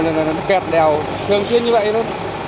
nó kẹt đèo thường xuyên như vậy luôn